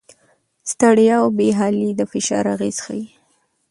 ستړیا او بې حالي د فشار اغېز ښيي.